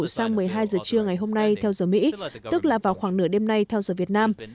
sang một mươi hai giờ trưa ngày hôm nay theo giờ mỹ tức là vào khoảng nửa đêm nay theo giờ việt nam